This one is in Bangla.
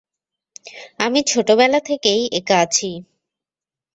আমি ছোট বেলা থেকেই একা আছি।